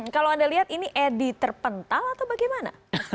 kalau anda lihat ini edi terpental atau bagaimana